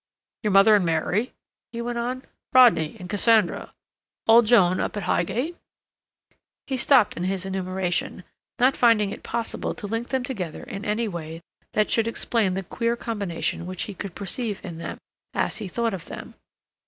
"Your mother and Mary?" he went on. "Rodney and Cassandra? Old Joan up at Highgate?" He stopped in his enumeration, not finding it possible to link them together in any way that should explain the queer combination which he could perceive in them, as he thought of them.